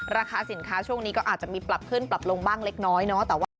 ราคาสินค้าช่วงนี้ก็อาจจะมีปรับขึ้นปรับลงบ้างเล็กน้อยเนาะ